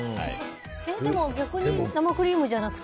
でも逆に生クリームじゃなくて？